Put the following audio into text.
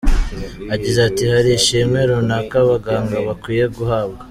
Yagize ati “Hari ishimwe runaka abaganga bakwiye guhabwa.